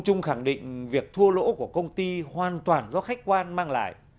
trung khẳng định việc thua lỗ của công ty hoàn toàn do khách quan mang lại